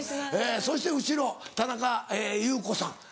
そして後ろ田中祐子さん。